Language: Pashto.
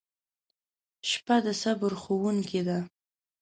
• شپه د صبر ښوونکې ده.